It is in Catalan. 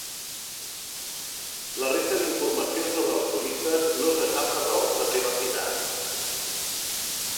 La resta d'informació sobre els turistes no se sap per raons de privacitat.